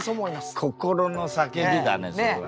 心の叫びだねそれは。